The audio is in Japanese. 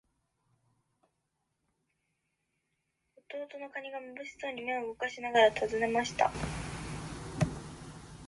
ごはんが好き